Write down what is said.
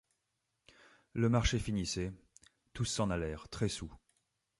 Le marché finissait, tous s’en allèrent, très soûls.